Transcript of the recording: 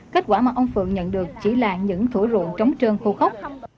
kết quả mà ông phượng nhận được chỉ là những thủ rụng trống trơn khô khốc